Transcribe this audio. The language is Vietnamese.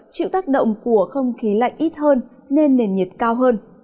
chịu tác động của không khí lạnh ít hơn nên nền nhiệt cao hơn